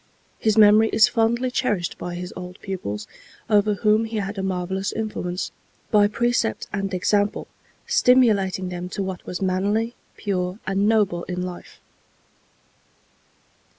His memory is fondly cherished by his old pupils, over whom he had a marvellous influence, by precept and example stimulating them to what was manly, pure and noble in life.